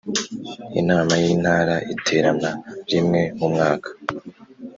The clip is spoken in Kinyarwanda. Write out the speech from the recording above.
Inama y Intara iterana rimwe mu mwaka